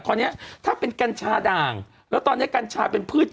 ตอนนี้ถ้าเป็นกัญชาด่างแล้วตอนนี้กัญชาเป็นพืช